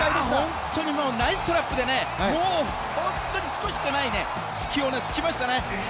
本当にナイストラップでもう、本当に少ししかない隙を突きました。